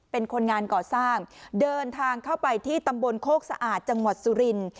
เป็นคนงานก่อสร้างเดินทางเข้าไปที่ตำบลโคกสะอาดจังหวัดสุรินทร์